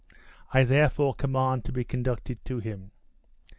I therefore command to be conducted to him."